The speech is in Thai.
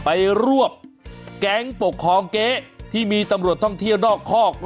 ไปรวบแก๊งปกครองเก๊ที่มีตำรวจท่องเที่ยวนอกคอก